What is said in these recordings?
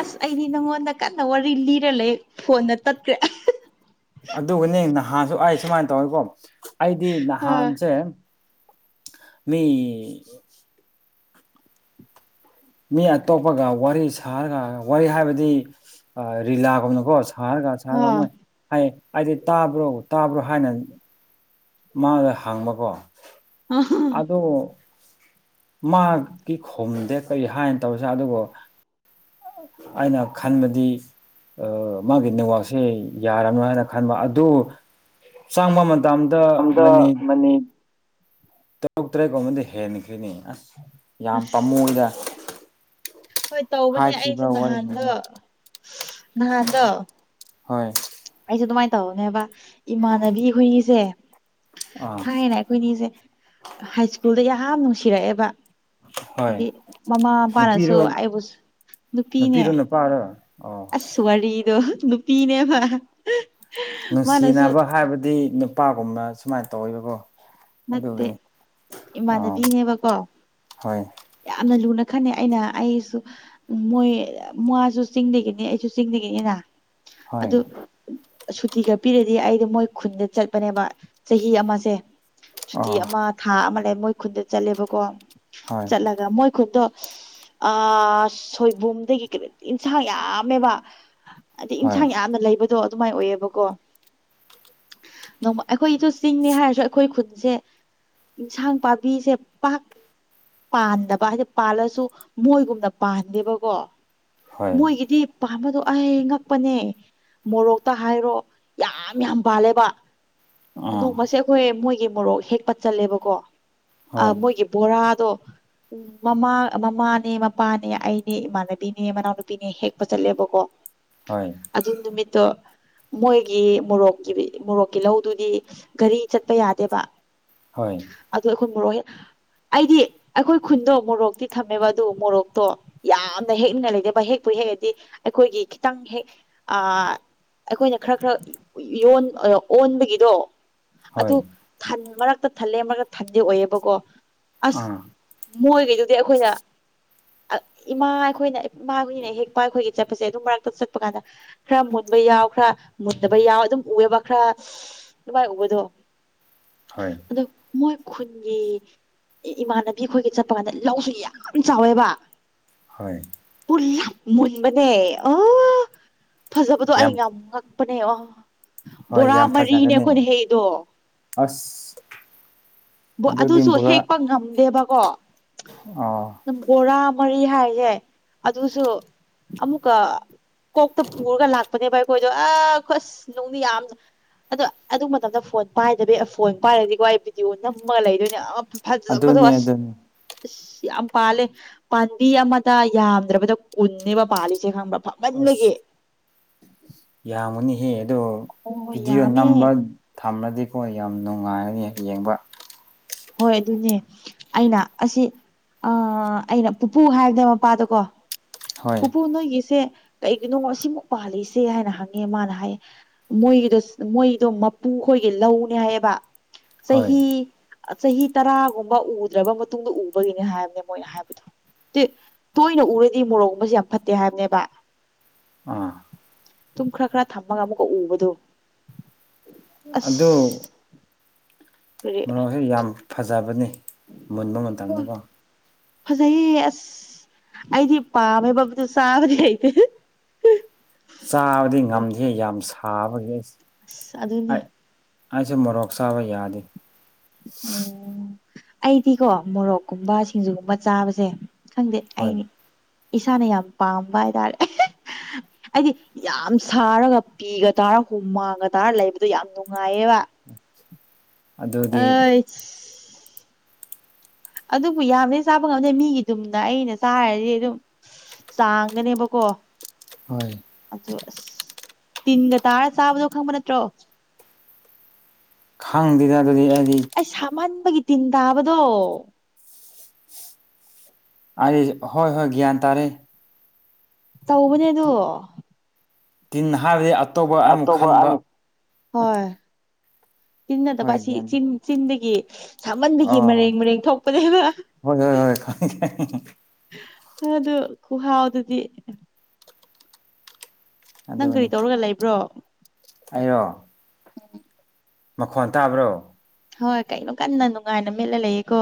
ꯑꯁ ꯑꯩꯗꯤ ꯅꯪꯉꯣꯟꯗ ꯀꯟꯅ ꯋꯥꯔꯤ ꯂꯤꯔ ꯂꯩ ꯐꯣꯟꯗ ꯇꯠꯈ꯭ꯔꯦ ꯑꯗꯨꯒꯅꯦ ꯅꯍꯥꯟꯁꯨ ꯑꯩ ꯁꯨꯃꯥꯏꯅ ꯇꯧꯋꯤꯀꯣ ꯑꯩꯗꯤ ꯅꯍꯥꯟꯁꯦ ꯃꯤ ꯃꯤ ꯑꯇꯣꯞꯄꯒ ꯋꯥꯔꯤ ꯁꯥꯔꯒ ꯋꯥꯔꯤ ꯍꯥꯏꯕꯗꯤ ꯔꯤꯂꯥꯒꯨꯝꯅꯀꯣ ꯁꯥꯔꯒ ꯑ ꯁꯥꯔꯒ ꯑꯃꯣꯏ ꯍꯥꯏꯌꯦ ꯑꯩꯗꯤ ꯇꯥꯕ꯭ꯔꯣ ꯇꯥꯕ꯭ꯔꯣ ꯍꯥꯏꯅ ꯃꯥꯗ ꯍꯪꯕꯀꯣ ꯑ ꯑꯗꯨꯗ ꯃꯥꯒꯤ ꯈꯣꯝꯗꯦ ꯀꯔꯤ ꯍꯥꯏꯅ ꯇꯧꯔꯤꯁꯦ ꯑꯗꯨꯕꯨ ꯑꯩꯅ ꯈꯟꯕꯗꯤ ꯃꯥꯒꯤ ꯅꯋꯥꯛꯁꯦ ꯌꯥꯔꯅꯣ ꯍꯥꯏꯅ ꯈꯟꯕ ꯑꯗꯨ ꯆꯥꯡ ꯃꯃ ꯝꯗ ꯃꯅꯤ ꯇꯔꯨꯛ ꯇꯔꯦꯠꯀꯨꯝꯕꯗꯤ ꯍꯦꯟꯈ꯭ꯅꯤ ꯑꯁ ꯌꯥꯝ ꯄꯥꯝꯃꯨꯗ ꯍꯣꯏ ꯇꯧꯕꯅꯦ ꯑꯩꯁꯨ ꯅꯍꯥꯟꯗ ꯋꯥꯔꯤꯁꯤꯡꯗꯣ ꯅꯍꯥꯟꯗ ꯍꯣꯏ ꯑꯩꯁꯦ ꯑꯗꯨꯃꯥꯏꯅ ꯇꯧꯅꯦꯕ ꯏꯃꯥꯟꯅꯕꯤ ꯑꯩꯈꯣꯏꯅꯤꯁꯦ ꯑꯥ ꯊꯥꯏꯅ ꯑꯩꯈꯣꯏꯅꯤꯁꯦ ꯍꯥꯏ ꯁ꯭ꯀꯨꯜꯗ ꯌꯥꯝ ꯅꯨꯡꯁꯤꯔꯛꯑꯦꯕ ꯍꯣꯏ ꯍꯥꯏꯗꯤ ꯃꯃꯥ ꯃꯄꯥꯅꯁꯨ ꯅꯨꯄꯤꯔꯣ ꯑꯩꯕꯨꯁꯨ ꯅꯨꯄꯤꯅꯦ ꯅꯨꯄꯤꯔꯣ ꯅꯨꯄꯥꯔꯣ ꯑꯣ ꯑꯁ ꯋꯥꯔꯤꯗꯣ ꯅꯨꯄꯤꯅꯦꯕ ꯃꯥꯅꯁꯨ ꯅꯨꯡꯁꯤꯅꯕ ꯍꯥꯏꯕꯗꯤ ꯅꯨꯄꯥꯒꯨꯝꯕ ꯁꯨꯃꯥꯏꯅ ꯇꯧꯋꯕꯀꯣ ꯅꯠꯇꯦ ꯑꯥ ꯏꯃꯥꯟꯅꯕꯤꯅꯦꯕꯀꯣ ꯍꯣꯏ ꯌꯥꯝꯅ ꯂꯨꯅ ꯈꯅꯩ ꯑꯩꯅ ꯑꯩꯁꯨ ꯃꯣꯏ ꯃꯥꯁꯨ ꯆꯤꯡꯗꯒꯤꯅꯤ ꯑꯩꯁꯨ ꯆꯤꯡꯗꯒꯤꯅꯤꯅ ꯍꯣꯏ ꯑꯗ ꯁꯨꯇꯤꯒ ꯄꯤꯔꯗꯤ ꯑꯩꯗꯤ ꯃꯣꯏ ꯈꯨꯟꯗ ꯆꯠꯄꯅꯦꯕ ꯆꯍꯤ ꯑꯃꯁꯦ ꯁꯨꯇꯤ ꯑꯥ ꯑꯃ ꯊꯥ ꯑꯃ ꯂꯩ ꯃꯣꯏ ꯈꯨꯟꯗ ꯆꯠꯂꯦꯕꯀꯣ ꯍꯣꯏ ꯆꯠꯂꯒ ꯃꯣꯏ ꯈꯨꯟꯗꯣ ꯑ ꯁꯣꯏꯕꯨꯝꯗꯒꯤ ꯀꯩꯅꯣ ꯏꯟꯁꯥꯡ ꯌꯥꯝꯃꯦꯕ ꯑꯗꯩ ꯍꯣꯏ ꯏꯟꯁꯥꯡ ꯌꯥꯝꯅ ꯂꯩꯕ ꯑꯣ ꯑꯗꯨꯃꯥꯏꯅ ꯑꯣꯏꯌꯦꯕꯀꯣ ꯅꯣꯡꯃ ꯑꯩꯈꯣꯏꯁꯨ ꯆꯤꯡꯅꯤ ꯍꯥꯏꯔꯁꯨ ꯑꯩꯈꯣꯏ ꯁꯦ ꯏꯟꯁꯥꯡ ꯄꯥꯝꯕꯤꯁꯦ ꯄꯥꯛ ꯄꯥꯟꯗꯕ ꯍꯥꯏꯗꯤ ꯄꯥꯜꯂꯁꯨ ꯃꯣꯏꯒꯨꯝꯅ ꯄꯥꯟꯗꯦꯕꯀꯣ ꯍꯣꯏ ꯃꯣꯏꯒꯤꯗꯤ ꯄꯥꯝꯕꯗꯣ ꯑꯩ ꯉꯛꯄꯅꯦ ꯃꯣꯔꯣꯛꯇ ꯍꯥꯏꯔꯣ ꯌꯥꯝ ꯌꯥꯝ ꯕꯥꯜꯂꯦꯕ ꯑꯥ ꯅꯣꯡꯃꯁꯦ ꯑꯩꯈꯣꯏ ꯃꯣꯏꯒꯤ ꯃꯣꯔꯣꯛ ꯍꯦꯛ ꯄꯠꯆꯜꯂꯦꯕꯀꯣ ꯍꯣꯏ ꯃꯣꯏꯒꯤ ꯕꯣꯔꯥ ꯇ ꯎꯝ ꯃꯃꯥ ꯃꯃꯥꯅꯦ ꯃꯄꯥꯅꯦ ꯑꯩꯅꯦ ꯏꯃꯥꯟꯅꯕꯤꯅꯦ ꯃꯅꯥꯎꯅꯨꯄꯤꯅꯦ ꯍꯦꯛꯄ ꯆꯠꯂꯦꯕꯀꯣ ꯍꯣꯏ ꯑꯗꯨ ꯅꯨꯃꯤꯠꯇꯣ ꯃꯣꯏꯒꯤ ꯃꯣꯔꯣꯛꯀꯤ ꯃꯣꯔꯣꯛꯀꯤ ꯂꯧꯗꯨꯗꯤ ꯒꯥꯔꯤ ꯆꯠꯄ ꯌꯥꯗꯦꯕ ꯍꯣꯏ ꯄꯨꯣꯍꯤꯜ ꯑꯩꯗꯤ ꯑꯩꯈꯣꯏ ꯈꯨꯟꯗꯣ ꯃꯣꯔꯣꯛꯇꯤ ꯊꯝꯃꯦꯕ ꯑꯗꯨ ꯃꯣꯔꯣꯛꯇꯣ ꯌꯥꯝꯅ ꯍꯦꯛꯅꯤꯡꯉꯥꯏ ꯂꯩꯇꯕ ꯍꯦꯛꯄ ꯍꯦꯛꯗꯤ ꯑꯩꯈꯣꯏꯒꯤ ꯈꯤꯇꯪ ꯍꯦꯛ ꯑ ꯑꯩꯈꯣꯏꯅ ꯈꯔ ꯈꯔ ꯌ ꯑꯣꯟꯕꯒꯤꯗꯣ ꯑꯗꯨ ꯍꯣꯏ ꯊꯟ ꯃꯔꯛꯇ ꯊꯜꯂꯦ ꯃꯔꯛꯇ ꯊꯟꯗꯤ ꯑꯣꯏꯑꯕꯀꯣ ꯑꯁ ꯑꯥ ꯃꯣꯏꯈꯩꯗꯨꯗꯤ ꯑꯩꯈꯣꯏꯅ ꯏꯃꯥ ꯑꯩꯈꯣꯏꯅ ꯃꯥꯥꯡꯏꯅꯦ ꯍꯦꯛ ꯄꯥꯏꯈꯣꯏꯒꯦ ꯆꯠꯄꯁꯦ ꯑꯗꯨꯝ ꯃꯔꯛꯇ ꯆꯠꯄ ꯀꯥꯟꯗ ꯈꯔ ꯃꯨꯟꯕ ꯌꯥꯎ ꯈꯔ ꯃꯨꯟꯅꯕ ꯌꯥꯎ ꯑꯗꯨꯝ ꯎꯑꯕ ꯈꯔ ꯚꯥꯏꯕꯗꯣ ꯍ ꯑꯗꯣ ꯃꯣꯏ ꯈꯨꯟꯒꯤ ꯑꯦ ꯏꯃꯥꯟꯅꯕꯤ ꯑꯩꯈꯣꯏꯒꯤ ꯆꯠꯄ ꯀꯥꯟꯗ ꯂꯧꯁꯨ ꯌꯥꯝ ꯆꯥꯎꯋꯦꯕ ꯍꯣꯏ ꯌꯥꯝ ꯃꯨꯟꯕꯅꯦ ꯑꯣ ꯐꯖꯕꯗꯣ ꯑꯩ ꯌꯥꯝ ꯉꯛꯄꯅꯦ ꯑꯣ ꯍꯣꯏ ꯕꯣꯔꯥ ꯌꯥꯝ ꯃꯔꯤꯅꯦ ꯐꯖꯒꯅꯤ ꯑꯩꯈꯣꯏꯅ ꯍꯩꯗꯣ ꯑꯁ ꯑꯗꯨꯗꯤ ꯑꯗꯨꯁꯨ ꯕꯣꯔꯥ ꯍꯦꯛꯄ ꯉꯝꯗꯦꯕꯀꯣ ꯑꯥ ꯑꯗꯨꯝ ꯕꯣꯔꯥ ꯃꯔꯤ ꯍꯥꯏꯔꯤꯁꯦ ꯑꯗꯨꯁꯨ ꯑꯃꯨꯛꯀ ꯀꯣꯛꯇ ꯄꯨꯔꯒ ꯂꯥꯛꯄꯅꯦꯕ ꯈꯣꯏꯗꯣ ꯑ ꯈꯁ ꯅꯨꯡꯗꯤ ꯌꯥꯝꯗꯣ ꯑꯗꯣ ꯑꯗꯨ ꯃꯇꯝꯗ ꯐꯣꯟ ꯄꯥꯏꯗꯕꯤ ꯐꯣꯟ ꯄꯥꯏꯔꯗꯤꯀ ꯑꯩ ꯚꯗꯤꯑꯣ ꯅ ꯨꯝꯃ ꯂꯩꯗꯣꯏꯅꯦ ꯐꯖꯕꯗꯣ ꯑꯗꯨꯅꯦ ꯑꯁꯁ ꯑꯗꯨꯅꯤ ꯌꯥꯝ ꯄꯥꯜꯂꯦ ꯄꯥꯝꯕꯤ ꯑꯃꯗ ꯌꯥꯝꯗ꯭ꯔꯕꯗ ꯀꯨꯟꯅꯦꯕ ꯄꯥꯜꯂꯤꯁꯦ ꯈꯪꯕ꯭ꯔ ꯑꯁ ꯌꯥ ꯃꯅꯤ ꯍ ꯑꯗꯣ ꯍꯣꯏ ꯍꯣꯏ ꯚꯤꯗꯤꯑꯣ ꯌꯥꯝꯃꯦ ꯅꯝꯕ ꯊꯝꯃꯗꯤꯀꯣ ꯌꯥꯝ ꯅꯨꯡꯉꯥꯏꯔꯅꯤ ꯌꯦꯡꯕ ꯍꯣꯏ ꯑꯗꯨꯅꯦ ꯑꯩꯅ ꯑꯁꯤ ꯑ ꯑꯩꯅ ꯄꯨꯄꯨ ꯍꯥꯏꯕꯅꯦ ꯃꯄꯥꯗꯀꯣ ꯍꯣꯏ ꯄꯨꯄꯨ ꯅꯣꯏꯒꯤꯁꯦ ꯀꯩꯒꯤꯅꯣ ꯑꯁꯤꯃꯨꯛ ꯄꯥꯜꯂꯤꯛꯏꯁꯦ ꯍꯥꯏꯅ ꯍꯪꯉꯦ ꯃꯥꯅ ꯍꯥꯏꯌꯦ ꯃꯣꯏꯒꯤꯗꯣ ꯃꯣꯏꯗꯣ ꯃꯄꯨ ꯑꯩꯈꯣꯏꯒꯤ ꯂꯧꯅꯦ ꯍꯥꯏꯌꯦꯕ ꯍꯣꯏ ꯆꯍꯤ ꯆꯍꯤ ꯇꯔꯥꯒꯨꯝꯕ ꯎꯗ꯭ꯔꯕ ꯃꯇꯨꯡꯗ ꯎꯕꯒꯤꯅꯤ ꯍꯥꯏꯕꯅꯦ ꯃꯣꯏꯅ ꯍꯥꯏꯕꯗꯣ ꯇꯣꯏꯅ ꯎꯔꯗꯤ ꯃꯣꯔꯣꯛꯒꯨꯝꯕꯕꯁꯤꯦ ꯌꯥꯝ ꯐꯠꯇꯦ ꯍꯥꯏꯕꯅꯦꯕ ꯑꯥ ꯇꯨꯝ ꯈꯔ ꯈꯔ ꯊꯝꯃꯒ ꯑꯃꯨꯛꯀ ꯎꯕꯗꯣ ꯑꯁ ꯑꯗꯨ ꯀꯔꯤ ꯃꯔꯣꯛꯁꯦ ꯌꯥꯝ ꯐꯖꯕꯅꯤ ꯃꯨꯟꯕ ꯃꯇꯝꯗꯀꯣ ꯐꯖꯩꯌꯦ ꯑꯁ ꯑꯩꯗꯤ ꯄꯥꯝꯃꯦ ꯕꯕꯗꯨ ꯆꯥꯕꯗꯤ ꯍꯇꯦ ꯆꯥꯕꯗꯤ ꯉꯝꯗꯦ ꯌꯥꯝ ꯁꯥꯕꯒꯤ ꯑꯁ ꯑꯗꯨꯅꯦ ꯑꯩꯁꯦ ꯃꯣꯔꯣꯛ ꯆꯥꯕ ꯌꯥꯗꯦ ꯑꯣ ꯑꯩꯗꯤꯀꯣ ꯃꯣꯔꯣꯛꯀꯨꯝꯕ ꯁꯤꯡꯖꯨꯒꯨꯝꯕ ꯆꯥꯕꯁꯦ ꯈꯪꯗꯦ ꯍꯣꯏ ꯑꯩꯅꯤ ꯏꯁꯥꯅ ꯌꯥꯝ ꯄꯥꯝꯕ ꯍꯥꯏꯇꯥꯔꯦ ꯍꯥꯏꯗꯤ ꯌꯥꯝ ꯁꯥꯔꯒ ꯄꯤꯒ ꯇꯥꯔ ꯍꯨ ꯃꯥꯡꯒ ꯇꯥꯔ ꯂꯩꯕꯗꯣ ꯌꯥꯝ ꯅꯨꯡꯉꯥꯏ ꯑꯕ ꯍ ꯑꯗꯨꯗꯤ ꯑꯗꯨꯕꯨ ꯌꯥꯝꯗꯤ ꯆꯥꯕ ꯉꯝꯗꯦ ꯃꯤꯒꯤꯗꯨꯝꯅ ꯑꯩꯅ ꯆꯥꯔꯗꯤ ꯑꯗꯨꯝ ꯆꯥꯡꯒꯅꯦꯕꯀꯣ ꯍꯣꯏ ꯑ ꯇꯤꯟꯒ ꯇꯥꯔ ꯆꯥꯕꯗꯣ ꯈꯪꯕ ꯅꯠꯇ꯭ꯔꯣ ꯈꯥꯡꯗꯗ ꯑꯩ ꯁꯥꯝꯍꯟꯕꯒꯤ ꯇꯤꯟ ꯇꯥꯕꯗꯣ ꯑ ꯍꯣꯏ ꯍꯣꯏ ꯒ꯭ꯌꯥꯟ ꯇꯥꯔꯦ ꯇꯧꯕꯅꯦꯗꯣ ꯇꯤꯟ ꯍꯥꯏꯕꯗꯤ ꯑꯇꯣꯞꯄ ꯑꯃꯨꯛ ꯈꯟꯕ ꯑꯃꯨꯛ ꯆꯤꯟꯅꯗꯕ ꯍꯣꯏ ꯑꯁꯤ ꯒ꯭ꯌꯥꯟ ꯆ ꯆꯤꯟꯗꯒꯤ ꯁꯥꯃꯟꯒꯤ ꯑꯣ ꯃꯔꯦꯡ ꯃꯔꯦꯡ ꯊꯣꯛꯄꯅꯦꯕ ꯍꯣꯏ ꯍꯣꯏ ꯍꯣꯏ ꯈꯪꯉꯦ ꯈꯪꯉꯦ ꯑ ꯑꯗꯨ ꯈꯨꯨꯍꯥꯥꯎ ꯑꯗꯨꯗꯤ ꯅꯪ ꯀꯔꯤ ꯇꯧꯔꯒ ꯂꯩꯕ꯭ꯔꯣ ꯑꯣ ꯎꯝ ꯃꯈꯣꯟ ꯇꯥꯕ꯭ꯔꯣ ꯍꯣꯏ ꯀꯩꯅꯣ ꯀꯟꯅ ꯅꯨꯡꯉꯥꯏꯅ ꯃꯦꯠꯂ ꯂꯩꯌꯦꯀꯣ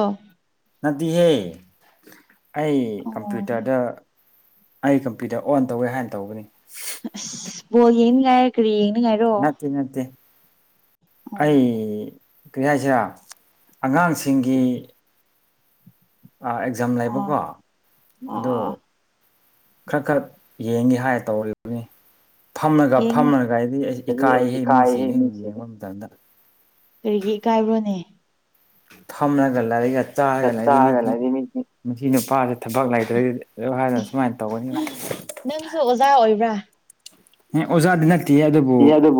ꯅꯗꯤꯍꯦ ꯑꯩ ꯑꯣ ꯀꯝꯄ꯭ꯌꯨꯇꯔꯗ ꯑꯩ ꯀꯝꯄ꯭ꯌꯨꯇꯔ ꯑꯣꯟ ꯇꯧꯋꯦ ꯍꯥꯏꯅ ꯇꯧꯕꯅꯤ ꯑ ꯣꯟ ꯥꯏ ꯀꯔꯤꯟ ꯅꯠꯇꯦ ꯅꯠꯇꯦ ꯑꯣ ꯑꯩ ꯀꯔꯤ ꯍꯥꯏꯁꯤꯦ ꯑꯉꯥꯡꯁꯤꯡꯒꯤ ꯑꯦꯛꯖꯥꯝ ꯑꯣ ꯂꯩꯕꯀꯣ ꯑꯣ ꯑꯗꯣ ꯑꯣ ꯈꯔ ꯈꯔ ꯌꯦꯡꯒꯦ ꯍꯥꯏꯔ ꯇꯧꯕꯅꯤ ꯐꯝꯃꯒ ꯌꯦꯡꯉꯣ ꯐꯝꯃꯒ ꯑꯩꯗꯤ ꯑꯩꯁ ꯗꯤ ꯑꯩ ꯏꯀꯥꯏꯍꯦ ꯃꯤꯁꯤꯡꯤꯡꯍꯦ ꯃꯤꯁꯤꯡꯁꯦ ꯌꯦꯡꯕ ꯃꯇꯝꯗ ꯀꯔꯤꯒꯤ ꯏꯀꯥꯏꯕ꯭ꯔꯣꯅꯦ ꯊꯃꯅ ꯀꯂꯔꯤꯒ ꯆꯥ ꯆꯥꯛ ꯂ ꯃꯤ ꯆꯥꯔꯒ ꯂꯩꯔꯤ ꯃꯤꯗꯤ ꯅꯨꯁꯤ ꯅꯨꯄꯥꯁꯦ ꯊꯕꯛ ꯂꯩꯇ꯭ꯔꯗꯤ ꯍꯥꯏꯗꯅ ꯁꯨꯃꯥꯏꯅ ꯇꯧꯒꯅꯤ ꯅꯪꯁꯨ ꯑꯣꯖꯥ ꯑꯣꯏꯕ꯭ꯔꯥ ꯑꯦ ꯑꯣꯖꯥꯗꯤ ꯅꯠꯇꯦ ꯑꯗꯨꯕꯨ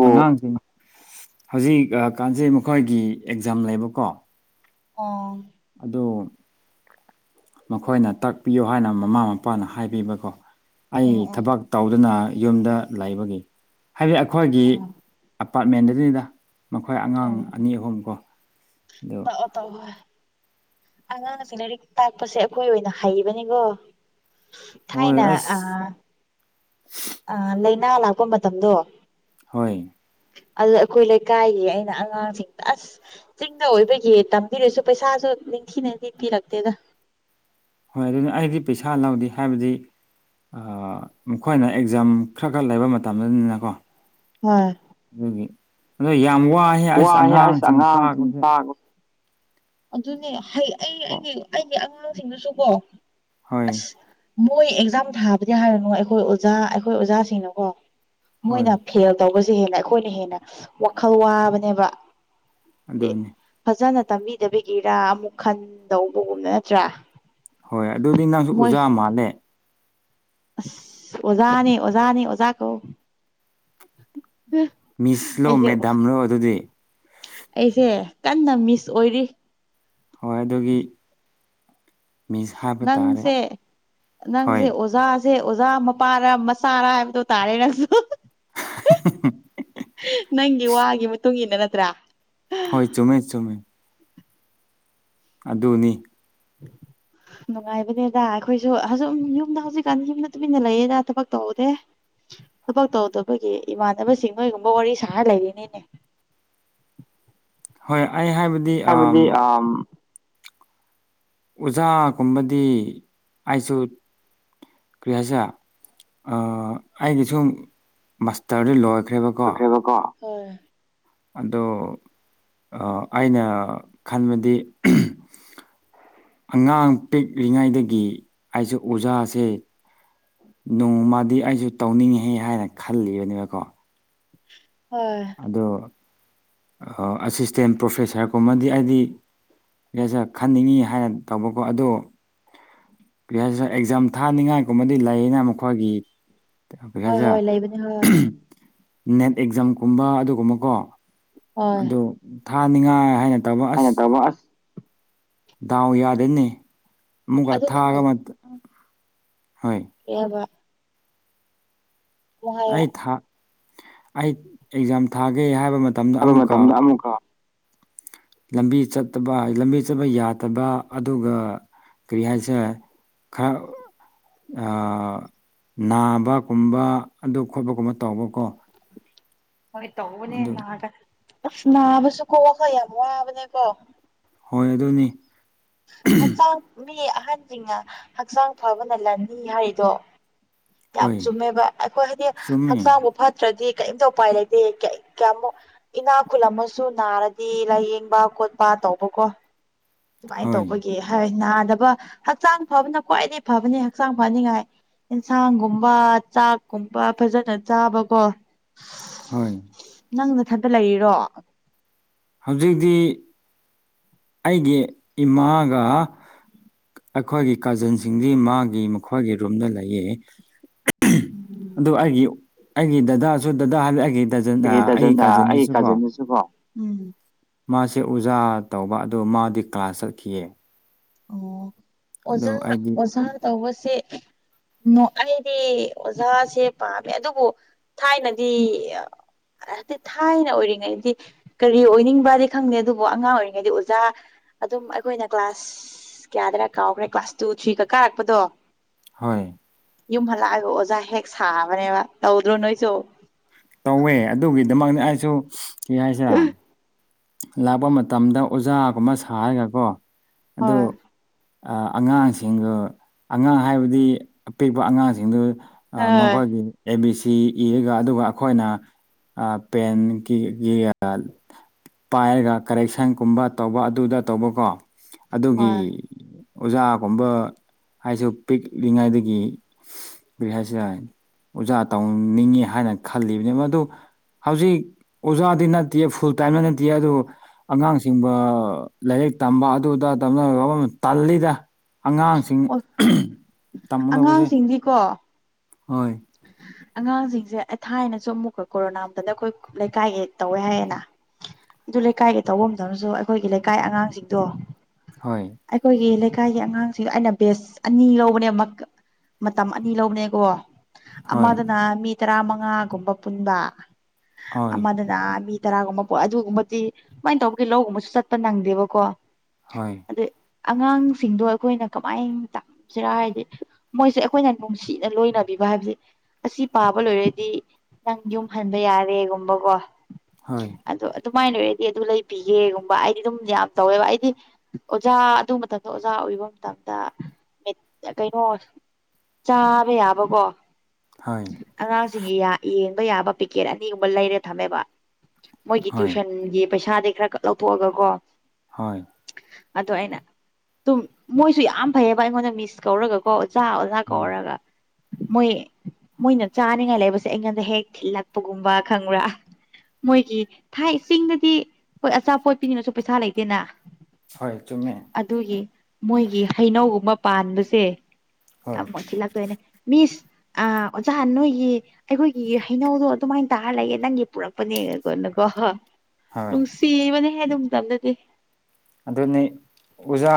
ꯑꯉꯥꯡꯁꯤꯡ ꯍꯧꯖꯤꯛ ꯀꯥꯟꯁꯤꯦ ꯃꯈꯣꯏꯒꯤ ꯑꯦꯛꯖꯥꯝ ꯂꯩꯕꯀꯣ ꯑ ꯑꯗꯨ ꯃꯈꯣꯏꯅ ꯇꯥꯛꯄꯤꯌꯣ ꯍꯥꯏꯅ ꯃꯃꯥ ꯃꯄꯥꯅ ꯍꯥꯏꯕꯤꯕꯀꯣ ꯑꯩ ꯎꯝ ꯎꯝ ꯊꯕꯛ ꯇꯧꯗꯨꯅ ꯌꯨꯝꯗ ꯂꯩꯕꯒꯤ ꯍꯥꯏꯕꯗꯤ ꯑꯩꯈꯣꯏꯒꯤ ꯎꯝ ꯑꯄꯥꯔꯠꯃꯦꯟꯗꯅꯤꯗ ꯃꯈꯣꯏ ꯑꯉꯥꯡ ꯑꯅꯤ ꯑꯍꯨꯝ ꯀꯣ ꯑꯗꯣ ꯇꯑꯣ ꯇꯧ ꯍꯣꯏ ꯑꯉꯥꯡꯁꯦ ꯂꯥꯏꯔꯤꯛ ꯇꯥꯛꯄꯁꯦ ꯑꯩꯈꯣꯏ ꯑꯣꯏꯅ ꯍꯩꯕꯅꯤꯀꯣ ꯍꯣꯏ ꯊꯥꯏꯅ ꯑꯁ ꯑꯥ ꯑꯥ ꯂꯥꯏꯅꯥ ꯂꯥꯛꯄ ꯃꯇꯝꯗꯣ ꯍꯣꯏ ꯑꯗꯨꯗ ꯑꯩꯈꯣꯏ ꯂꯩꯀꯥꯏꯒꯤ ꯑꯩꯅ ꯑꯉꯥꯡꯁꯤꯡꯗꯣ ꯑꯁ ꯑꯣꯏꯕꯒꯤ ꯇꯝꯕꯤꯔꯁꯨ ꯄꯩꯁꯥꯁꯨ ꯅꯤꯡꯊꯤꯅꯗꯤ ꯄꯤꯔꯛꯇꯦꯗ ꯍꯣꯏ ꯑꯗꯨꯅ ꯑꯩꯗꯤ ꯄꯩꯁꯥ ꯂꯧꯗꯦ ꯍꯥꯏꯕꯗꯤ ꯃꯈꯣꯏꯅ ꯑꯦꯛꯖꯥꯝ ꯈꯔ ꯈꯔ ꯂꯩꯕ ꯃꯇꯝꯅꯤꯅꯀꯣ ꯍꯣꯏ ꯑꯗꯨꯒꯤ ꯑꯗꯣ ꯌꯥꯝ ꯋꯥꯍꯦ ꯑꯁ ꯋꯥꯏꯍꯦ ꯑꯁ ꯑꯉꯥꯡꯁꯤꯡ ꯑꯉꯥꯡꯁꯤꯡ ꯇꯥꯛꯄꯁꯦ ꯇꯥꯛꯄ ꯑꯗꯨꯅꯦ ꯍ ꯑꯩ ꯑꯩꯒꯤ ꯑꯩꯒꯤ ꯑꯉꯥꯡꯁꯤꯡꯅꯁꯨꯀꯣ ꯍꯣꯏ ꯃꯣꯏ ꯑꯦꯛꯖꯥꯝ ꯊꯥꯕꯗꯤ ꯍꯥꯏꯔꯅꯨ ꯑꯩꯈꯣꯏ ꯑꯣꯖꯥ ꯑꯩꯈꯣꯏ ꯑꯣꯖꯥꯁꯤꯡꯅꯀꯣ ꯍꯣꯏ ꯃꯣꯏꯅ ꯐꯦꯜ ꯇꯧꯕꯁꯦ ꯍꯦꯟꯅ ꯑꯩꯈꯣꯏꯅ ꯍꯦꯟꯅ ꯋꯥꯈꯜ ꯋꯥꯕꯅꯦꯕ ꯑꯗꯨꯅꯤ ꯐꯖꯅ ꯇꯝꯕꯤꯗꯕꯤꯒꯤꯔꯥ ꯑꯃꯨꯛ ꯈꯟꯗꯧꯕꯒꯨꯝꯕ ꯅꯠꯇ꯭ꯔꯥ ꯍꯣꯏ ꯑꯗꯨꯗꯤ ꯅꯪꯁꯨ ꯃꯣꯏ ꯎꯖꯥ ꯃꯥꯜꯂꯦ ꯑꯁ ꯑꯣꯖꯥꯅꯤ ꯑꯣꯖꯥꯅꯤ ꯑꯣꯖꯥ ꯀꯧꯋꯣ ꯃꯤꯁꯂꯣ ꯃꯦꯗꯥꯝꯔꯣ ꯑꯗꯨꯗꯤ ꯑꯩꯁꯦ ꯀꯟꯅ ꯃꯤꯁ ꯑꯣꯏꯔꯤ ꯍꯣꯏ ꯑꯗꯨꯒꯤ ꯃꯤꯁ ꯍꯥꯏꯕ ꯇꯥꯔꯦ ꯅꯪꯁꯦ ꯍꯣꯏ ꯅꯪꯁꯦ ꯑꯣꯖ ꯁꯦ ꯑꯣꯖꯥ ꯃꯄꯥꯔ ꯃꯆꯥꯔ ꯍꯥꯏꯕꯗꯣ ꯇꯥꯔꯦ ꯅꯪꯁꯨ [unintelligible] ꯅꯪꯒꯤ ꯋꯥꯒꯤ ꯃꯇꯨꯡ ꯏꯟꯅ ꯅꯠꯇ꯭ꯔꯥ ꯍꯣꯏ ꯆꯨꯃꯦ ꯆꯨꯝꯃꯦ ꯑꯗꯨꯅꯤ ꯅꯨꯡꯉꯥꯏꯕꯅꯦꯗ ꯑꯩꯈꯣꯏꯁꯨ ꯑꯁꯨꯝ ꯌꯨꯝꯗ ꯍꯧꯖꯤꯛꯀꯥꯟ ꯌꯨꯝꯗ ꯇꯨꯃꯤꯟꯅ ꯂꯩꯌꯦꯗ ꯊꯕꯛ ꯇꯧꯗꯦ ꯊꯕꯛ ꯇꯧꯗꯕꯒꯤ ꯏꯃꯥꯟꯅꯕꯁꯤꯡ ꯅꯣꯏꯒꯨꯝꯕ ꯋꯥꯔꯤ ꯁꯥꯔ ꯂꯩꯔꯤꯅꯤꯅꯦ ꯍꯣꯏ ꯑꯩ ꯍꯥꯏꯕꯗꯤ ꯑꯝ ꯑꯣꯖꯥꯒꯨꯝꯕꯗꯤ ꯑꯩꯁꯨ ꯀꯔꯤꯍꯥꯏꯁꯤꯔꯥ ꯑꯩꯒꯤ ꯁꯨꯝ ꯃꯥꯁꯇꯔꯗꯤ ꯂꯣꯏ ꯈ꯭ꯔꯦꯕꯀꯣ ꯑꯣ ꯑꯗꯣ ꯑꯥ ꯑꯩꯅ ꯈꯟꯕꯗꯤ ꯑꯉꯥꯡ ꯄꯤꯛꯂꯤꯉꯩꯗꯒꯤ ꯑꯩꯁꯨ ꯑꯣꯖꯥꯁꯦ ꯅꯣꯡꯃꯗꯤ ꯑꯩꯁꯨ ꯇꯧꯅꯤꯡꯉꯦꯍꯦ ꯍꯥꯏꯅ ꯈꯜꯂꯤꯕꯅꯦꯕꯀꯣ ꯍꯣꯏ ꯑꯗꯣ ꯑꯁꯤꯁꯇꯦꯟ ꯄ꯭ꯔꯣꯐꯦꯁꯔꯀꯨꯝꯃꯗꯤ ꯍꯥꯏꯗꯤ ꯌꯥꯁ ꯈꯟꯅꯤꯡꯉꯤ ꯍꯥꯏꯅ ꯇꯧꯕꯀꯣ ꯑꯗꯣ ꯑꯦꯛꯖꯥꯝ ꯊꯥꯅꯤꯡꯉꯥꯏꯒꯨꯝꯕꯗꯤ ꯂꯩꯌꯦꯅ ꯃꯈꯣꯏꯒꯤ ꯍꯣꯏ ꯍꯣꯏ ꯂꯩꯕꯅꯤ ꯍꯣꯏ [unintelligible] ꯅꯦꯠ ꯑꯦꯛꯖꯥꯝꯒꯨꯝꯕ ꯑꯗꯨꯒꯨꯝꯕꯀꯣ ꯍꯣꯏ ꯑꯗꯨ ꯊꯥꯅꯤꯡꯉꯥꯏ ꯍꯥꯏꯅ ꯇꯧꯕ ꯑꯁ ꯇꯧꯕ ꯗꯥꯎ ꯌꯥꯗꯦꯅꯤ ꯑꯃꯨꯛꯀ ꯑꯗꯨ ꯊꯥꯒꯕ ꯀꯩꯑꯕ ꯋꯥ ꯍꯥꯏꯌꯣ ꯑꯩ ꯊꯥ ꯑꯩ ꯑꯦꯛꯖꯥꯝ ꯊꯥꯒꯦ ꯍꯥꯏꯕ ꯃꯇꯝꯗ ꯍꯥꯏꯕ ꯑꯃꯨꯛꯀ ꯃꯇꯝꯗ ꯑꯃꯨꯛꯀ ꯂꯝꯕꯤ ꯆꯠꯇꯕ ꯂꯝꯕꯤ ꯆꯠꯄ ꯌꯥꯗꯕ ꯑꯗꯨꯒ ꯀꯔꯤ ꯍꯥꯏꯁꯤꯔ ꯈꯥꯔꯥ ꯅꯥꯕꯒꯨꯝꯕ ꯑꯗꯨ ꯈꯣꯠꯄꯒꯨꯝꯕ ꯇꯧꯕꯀꯣ ꯍꯣꯏ ꯇꯧꯕꯅꯦ ꯑꯗꯨ ꯅꯥꯒ ꯑꯁ ꯅꯥꯕꯁꯨ ꯀꯣ ꯑꯃꯥ ꯌꯥꯝ ꯋꯥꯕꯅꯦꯀꯣ ꯍꯣꯏ ꯑꯗꯨꯅꯤ ꯍꯛꯆꯥꯡ ꯃꯤ ꯑꯍꯟꯁꯤꯡꯅ ꯍꯛꯆꯥꯡ ꯐꯕꯅ ꯂꯟꯅꯤ ꯍꯥꯏꯔꯤꯗꯣ ꯌꯥꯝ ꯍꯣꯏ ꯆꯨꯝꯃꯦꯕ ꯑꯩꯈꯣꯏ ꯍꯥꯏꯗꯤ ꯆꯨꯝꯃꯤ ꯍꯛꯆꯥꯡꯕꯨ ꯐꯠꯇ꯭ꯔꯗꯤ ꯀꯔꯤꯝꯇ ꯎꯄꯥꯏ ꯂꯩꯇꯦꯃꯨ ꯏꯅꯥ ꯈꯨꯜ ꯑꯃꯁꯨ ꯅꯥꯔꯗꯤ ꯂꯥꯏꯌꯦꯡꯕ ꯈꯣꯠꯄ ꯇꯧꯕꯀꯣ ꯑꯗꯨꯃꯥꯏꯅ ꯍꯣꯏ ꯇꯧꯕꯒꯤ ꯍꯥꯏ ꯅꯥꯗꯕ ꯍꯛꯆꯥꯡ ꯐꯕꯅ ꯈ꯭ꯋꯥꯏꯗꯒꯤ ꯐꯕꯅꯤ ꯍꯛꯆꯥꯡ ꯐꯅꯤꯉꯥꯏ ꯌꯦꯟꯁꯥꯡꯒꯨꯝꯕ ꯆꯥꯛꯀꯨꯝꯕ ꯐꯖꯅ ꯆꯥꯕꯀꯣ ꯍꯣꯏ ꯅꯪꯅ ꯊꯕ ꯂꯩꯔꯤꯔꯣ ꯍꯧꯖꯤꯛꯇꯤ ꯑꯩꯒꯤ ꯏꯃꯥꯒ ꯑꯩꯈꯣꯏꯒꯤ ꯀꯥꯖꯤꯟꯁꯤꯡꯗꯤ ꯃꯥꯒꯤ ꯃꯈꯣꯏꯒꯤ ꯔꯨꯝꯗ ꯂꯩꯌꯦ ꯎꯝ ꯑꯗꯨ ꯑꯩꯒꯤ ꯑꯩꯒꯤ ꯗꯗꯥꯁꯨ ꯗꯗꯥ ꯍꯥꯏꯕ ꯑꯩꯒꯤ ꯗꯖꯟ ꯑꯩ ꯑꯩꯒꯤ ꯗꯖꯟ ꯑꯩꯒꯤ ꯀꯥꯖꯤꯟꯗꯨꯁꯨ ꯀꯥꯖꯤꯟꯗꯨꯁꯨ ꯀꯣ ꯃꯥꯁꯦ ꯑꯣꯖꯥ ꯇꯧꯕ ꯑꯗꯨꯗ ꯃꯥꯗꯤ ꯀ꯭ꯂꯥꯁ ꯆꯠꯈꯤꯌꯦ ꯑꯣ ꯑꯗꯣ ꯑꯣꯖꯥ ꯑꯩꯗꯤ ꯑꯣꯖꯥ ꯇꯧꯕꯁꯦ ꯎ ꯑꯩꯗꯤ ꯑꯣꯖꯥꯁꯦ ꯄꯥꯝꯃꯦ ꯑꯗꯨꯕꯨ ꯊꯥꯏꯅꯗꯤ ꯍꯥꯏꯗꯤ ꯊꯥꯏꯅ ꯑꯣꯏꯔꯤꯉꯩꯗꯤ ꯀꯔꯤ ꯑꯣꯏꯅꯤꯡꯕꯗꯤ ꯈꯪꯗꯦ ꯑꯗꯨꯕꯨ ꯑꯉꯥꯡ ꯑꯣꯏꯔꯤꯉꯩꯗꯤ ꯑꯣꯖꯥ ꯑꯗꯨꯝ ꯑꯩꯈꯣꯏꯅ ꯀ꯭ꯂꯥꯁ ꯀꯌꯥꯗꯔ ꯀꯥꯎꯈ꯭ꯔꯦ ꯀ꯭ꯂꯥꯁ ꯇꯨ ꯊ꯭ꯔꯤꯒ ꯀꯥꯔꯛꯄꯗꯣ ꯍꯣꯏ ꯌꯨꯝ ꯍꯜꯂꯛꯑꯒ ꯑꯣꯖꯥ ꯍꯦꯛ ꯁꯥꯕꯅꯦꯕ ꯇꯧꯗ꯭ꯔꯣ ꯅꯣꯏꯁꯨ ꯇꯧꯋꯦ ꯑꯗꯨꯒꯤꯗꯃꯛꯅꯤ ꯑꯩꯁꯨ ꯀꯩ ꯍꯥꯏꯁꯤꯔꯥ ꯂꯥꯛꯄ ꯃꯇꯝꯗ ꯑꯣꯖꯥꯒꯨꯝꯕ ꯁꯥꯔꯒꯀꯣ ꯍꯣꯏ ꯑꯉꯥꯡꯁꯤꯡꯗꯣ ꯑꯉꯥꯡ ꯍꯥꯏꯕꯗꯤ ꯑꯄꯤꯛꯄ ꯑꯉꯥꯡꯁꯤꯡꯗꯣ ꯑ ꯍꯣꯏ ꯃꯒꯋꯥꯒꯤ ꯑꯦꯕꯤ ꯁꯤ ꯁꯤ ꯏꯔꯒ ꯑꯗꯨꯒ ꯑꯩꯈꯣꯏꯅ ꯑꯥ‌ ꯄꯦꯟꯒꯤ ꯄꯥꯏꯔꯒ ꯀꯔꯦꯛꯁꯟꯒꯨꯝꯕ ꯇꯧꯕ ꯑꯗꯨꯗ ꯇꯧꯕꯀꯣ ꯑꯗꯨꯒꯤ ꯍꯣꯏ ꯑꯣꯖꯥꯒꯨꯝꯕ ꯍꯥꯏꯁꯨ ꯄꯤꯛꯂꯤꯉꯩꯗꯒꯤ ꯀꯔꯤ ꯍꯥꯏꯁꯤꯔꯥ ꯑꯣꯖꯥ ꯇꯧꯅꯤꯡꯉꯤ ꯍꯥꯏꯅ ꯈꯜꯂꯤꯕꯅꯤ ꯃꯗꯨ ꯍꯧꯖꯤꯛ ꯑꯣꯖꯥꯗꯤ ꯅꯠꯇꯦ ꯐꯨꯜ ꯇꯥꯏꯝ ꯑꯗꯨ ꯑꯉꯥꯡꯁꯤꯡꯕ ꯂꯥꯏꯔꯤꯛ ꯇꯝꯕ ꯑꯗꯨꯗ ꯇꯝ ꯋꯥꯐꯝ ꯇꯜꯂꯤꯗ ꯑꯉꯥꯡꯁꯤꯡ ꯑꯣ ꯇꯝꯃꯗꯧꯕꯁꯦ ꯑꯉꯥꯡꯁꯤꯡꯗꯤꯀꯣ ꯍꫭꯏ ꯑꯉꯥꯡꯁꯤꯡꯁꯦ ꯑꯩ ꯊꯥꯏꯅꯁꯨ ꯑꯃꯨꯛꯀꯥ ꯀꯣꯔꯣꯅꯥ ꯑꯝꯇꯅ ꯑꯩꯈꯣꯏ ꯂꯩꯀꯥꯏꯒꯤ ꯇꯧꯋꯦ ꯍꯥꯏꯌꯦꯅ ꯑꯗꯨ ꯂꯩꯀꯥꯏꯒꯤ ꯇꯧꯕ ꯃꯇꯝꯗꯁꯨ ꯑꯩꯈꯣꯏꯒꯤ ꯂꯩꯀꯥꯏ ꯑꯉꯥꯡꯁꯤꯡꯗꯣ ꯍꯣꯏ ꯑꯩꯈꯣꯏꯒꯤ ꯂꯩ ꯂꯩꯀꯥꯏꯒꯤ ꯑꯉꯥꯡꯁꯤꯡ ꯑꯩꯅ ꯕꯦꯁ ꯑꯅꯤ ꯂꯧꯕꯅꯦ ꯃꯇꯝ ꯑꯅꯤ ꯂꯧꯕꯅꯦꯀꯣ ꯍꯣꯏ ꯑꯃꯗꯅ ꯃꯤ ꯇꯔꯥ ꯃꯉꯥꯒꯨꯝꯕ ꯄꯨꯟꯕ ꯍꯣꯏ ꯑꯃꯗꯅ ꯃꯤ ꯔꯥꯒꯨꯝꯕ ꯄꯣ ꯑꯗꯨꯒꯨꯝꯕꯗꯤ ꯁꯨꯃꯥꯏꯅ ꯇꯧꯕꯒꯤ ꯂꯧꯒꯨꯝꯕꯁꯨ ꯆꯠꯄ ꯅꯪꯗꯦꯕꯀꯣ ꯍꯣꯏ ꯑꯗ ꯑꯉꯥꯡꯁꯤꯡꯗꯣ ꯑꯩꯈꯣꯏꯅ ꯀꯃꯥꯏꯅ ꯇꯝꯁꯤꯔꯥ ꯍꯥꯏꯗꯤ ꯃꯣꯏꯁꯦ ꯑꯩꯈꯣꯏꯅ ꯅꯨꯡꯁꯤꯅ ꯂꯣꯏꯅ ꯄꯤꯕ ꯍꯥꯏꯕꯁꯦ ꯑꯁꯤ ꯄꯥꯕ ꯂꯣꯏꯔꯗꯤ ꯅꯪ ꯌꯨꯝ ꯍꯟꯕ ꯌꯥꯔꯦꯒꯨꯝꯕꯀꯣ ꯍꯣꯏ ꯑꯗꯣ ꯑꯗꯨꯃꯥꯏꯅ ꯑꯣꯏꯔꯗꯤ ꯑꯗꯨ ꯂꯩꯕꯤꯒꯦꯒꯨꯝꯕ ꯑꯩꯗꯤ ꯑꯗꯨꯝ ꯌꯥꯝ ꯇꯧꯋꯦꯕ ꯑꯩꯗꯤ ꯑꯣꯖꯥ ꯑꯗꯨ ꯃꯇꯝꯗ ꯑꯣꯖꯥ ꯑꫭꯏꯕ ꯃꯇꯝꯗ ꯀꯩꯅꯣ ꯆꯥꯕ ꯌꯥꯕ ꯀꯣ ꯍꯣꯏ ꯑꯉꯥꯡꯁꯤꯡꯒꯤ ꯌꯦꯡꯕ ꯌꯥꯕ ꯄꯤꯀꯦꯠ ꯑꯅꯤꯒꯨꯝꯕ ꯂꯩꯔꯥ ꯊꯝꯃꯦꯕ ꯃꯣꯏꯒꯤ ꯍꯣꯏ ꯇ꯭ꯨꯁꯟꯒꯤ ꯄꯩꯁꯥꯗꯒꯤ ꯈꯔ ꯈꯔ ꯂꯧꯊꯣꯛꯑꯒ ꯀꯣ ꯍꯣꯏ ꯑꯗꯨ ꯑꯩꯅ ꯑꯗꯨꯝ ꯃꯣꯏꯁꯨ ꯌꯥꯝ ꯐꯩꯌꯦꯕ ꯑꯩꯉꯣꯟꯗ ꯃꯤꯁ ꯀꯧꯔꯒꯀꯣ ꯑꯣꯖꯥ ꯑꯣꯖꯥ ꯍꯣꯏ ꯀꯧꯔꯒ ꯃꯣꯏ ꯃꯣꯏꯅ ꯆꯥꯅꯤꯡꯉꯥꯏ ꯂꯩꯕꯁꯦ ꯑꯩꯉꯣꯟꯗ ꯍꯦꯛ ꯊꯤꯜꯂꯛꯄꯒꯨꯝꯕ ꯈꯪꯕ꯭ꯔꯥ ꯃꯣꯏꯒꯤ ꯊꯥꯏ ꯏꯁꯤꯡꯗꯗꯤ ꯍꫭꯏ ꯑꯆꯥꯄꯣꯠ ꯄꯤꯅꯤꯡꯉꯁꯨ ꯄꯩꯁꯥ ꯂꯩꯇꯦꯅ ꯍꯣꯏ ꯆꯨꯝꯃꯦ ꯑꯗꯨꯒꯤ ꯃꯣꯏꯒꯤ ꯍꯩꯅꯧꯒꯨꯝꯕ ꯄꯥꯟꯕꯁꯦ ꯍꯣꯏ ꯑꯃꯨꯛ ꯊꯤꯟ ꯂꯛꯇꫭꯏꯅꯦ ꯏꯁ ꯑ ꯑꯣꯖꯥ ꯅꯣꯏꯒꯤ ꯑꯩꯈꯣꯏꯒꯤ ꯍꯩꯅꯧꯗꯣ ꯑꯗꯨꯃꯥꯏꯅ ꯇꯥꯔ ꯂꯩꯌ‌ꯦ ꯅꯪꯒꯤ ꯄꯨꯔꯛꯄꯅꯦ ꯀꯣ ꯍꯣꯏ ꯅꯨꯡꯁꯤꯕꯅꯦꯍꯦ ꯑꯗꯨꯝ ꯇꯝꯗꯗꯤ ꯑꯗꯨꯅꯤ ꯑꫭꯖꯥ